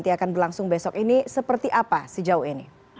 yang berlangsung besok ini seperti apa sejauh ini